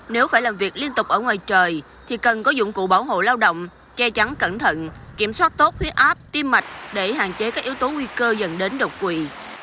nếu phải làm việc liên tục ở ngoài trời thì cần có dụng cụ bảo hộ lao động che chắn cẩn thận kiểm soát tốt huyết áp tim mạch để hạn chế các yếu tố nguy cơ dần đến độc quỷ